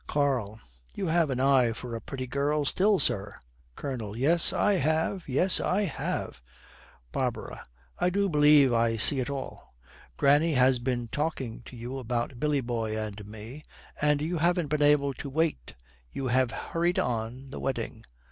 KARL. 'You have an eye for a pretty girl still, sir!' COLONEL. 'Yes, I have; yes, I have!' BARBARA. 'I do believe I see it all. Granny has been talking to you about Billy boy and me, and you haven't been able to wait; you have hurried on the wedding!'